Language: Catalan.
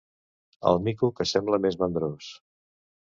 El mico que sembla més mandrós.